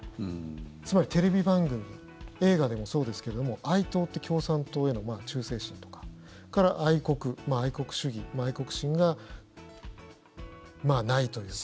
つまり、テレビ番組映画でもそうですけども愛党って共産党への忠誠心とかそれから愛国、愛国主義愛国心がないというか。